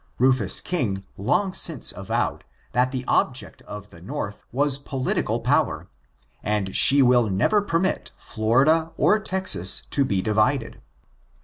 Rufus King long since avowed that the object of the North was political power, and she will never permit Florida or Texas to be divided.